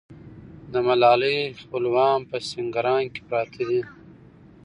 د ملالۍ خپلوان په سینګران کې پراته دي.